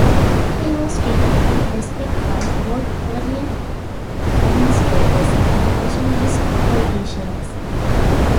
He was treated with respect by both colonial administrators and nationalist politicians.